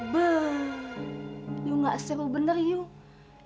beuh yuk nggak seru bener yuk